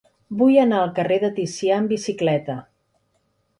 Vull anar al carrer de Ticià amb bicicleta.